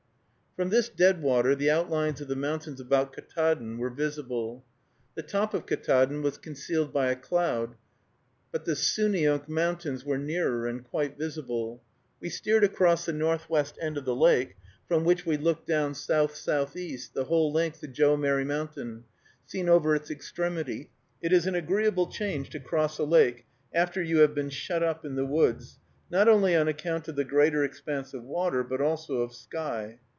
From this deadwater the outlines of the mountains about Ktaadn were visible. The top of Ktaadn was concealed by a cloud, but the Souneunk Mountains were nearer, and quite visible. We steered across the northwest end of the lake, from which we looked down south southeast, the whole length to Joe Merry Mountain, seen over its extremity. It is an agreeable change to cross a lake, after you have been shut up in the woods, not only on account of the greater expanse of water, but also of sky.